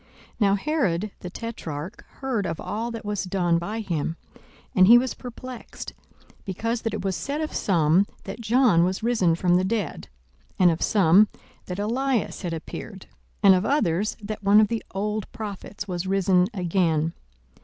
42:009:007 Now Herod the tetrarch heard of all that was done by him: and he was perplexed, because that it was said of some, that John was risen from the dead; 42:009:008 And of some, that Elias had appeared; and of others, that one of the old prophets was risen again.